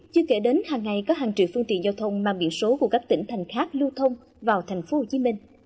chứ kể đến hàng ngày có hàng triệu phương tiện giao thông mang biển số của các tỉnh thành khác lưu thông vào tp hcm